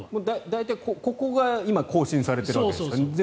大体ここが今更新されているわけですからね。